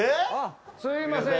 すいません